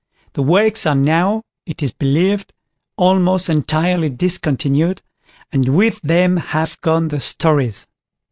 The wakes are now, it is believed, almost entirely discontinued, and with them have gone the stories.